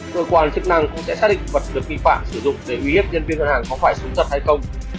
đội quan chức năng cũng sẽ xác định vật được nghi phạt sử dụng để huy hiếp nhân viên thân hàng có phải súng chất hay không